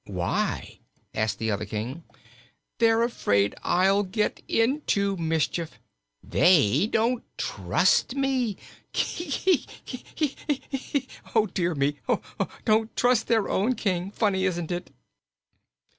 "Why?" asked the other King. "They're afraid I'll get into mischief. They don't trust me. Keek eek eek Oh, dear me! Don't trust their own King. Funny, isn't it?"